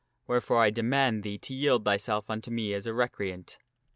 Wherefore I demand thee to yield thyself unto me as recreant."